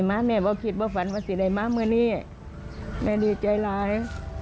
แม่บอกคิดว่าฝันว่าสิได้มาเมื่อนี้แม่ดีใจร้าย